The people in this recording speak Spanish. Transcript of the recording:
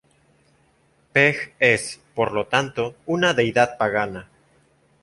Peg es, por lo tanto, una deidad pagana.